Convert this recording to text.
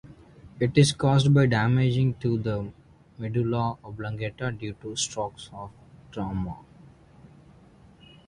It is caused by damage to the medulla oblongata due to strokes or trauma.